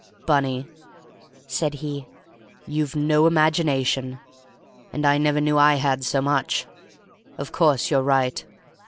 "Bunny," said he, "you've no imagination, and I never knew I had so much! Of course you're right.